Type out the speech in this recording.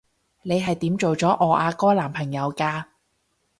你係點做咗我阿哥男朋友㗎？